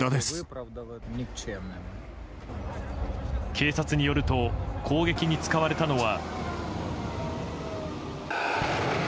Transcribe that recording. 警察によると攻撃に使われたのは。